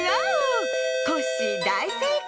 コッシーだいせいかい！